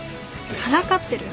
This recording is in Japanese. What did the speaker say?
からかってる？